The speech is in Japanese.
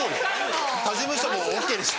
他事務所もＯＫにして。